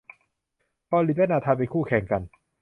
คอลินและนาธานเป็นคู่แข่งกัน